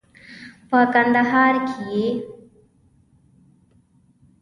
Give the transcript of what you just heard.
په کندهار کې یې